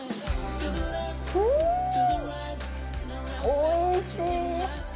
おいしい！